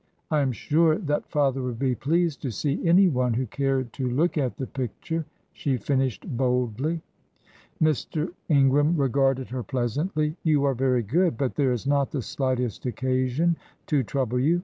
"I am sure that father would be pleased to see any one who cared to look at the picture," she finished, boldly. Mr. Ingram regarded her pleasantly. "You are very good, but there is not the slightest occasion to trouble you.